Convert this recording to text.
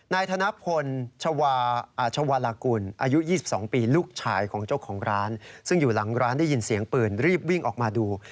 นายธนพลอาชวาลากุลอายุ๒๒ปีลูกชายของเจ้าของร้านซึ่งอยู่หลังร้านได้ยินเสียงปืนรีบวิ่งออกมาดู